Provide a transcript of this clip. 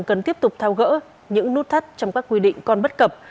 cần tiếp tục thao gỡ những nút thắt trong các quy định còn bất cập